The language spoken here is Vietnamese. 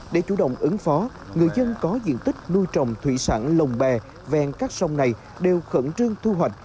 để chủ động ứng phó người dân có diện tích nuôi trồng thủy sản lồng bè ven các sông này đều khẩn trương thu hoạch